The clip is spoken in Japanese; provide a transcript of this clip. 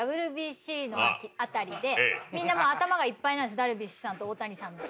みんなもう頭がいっぱいなんですダルビッシュさんと大谷さん。